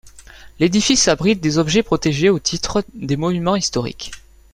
L'édifice abrite des objets protégés au titre des monuments historiques.